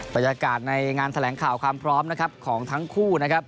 บรรยากาศในงานแถลงข่าวความพร้อมนะครับของทั้งคู่นะครับ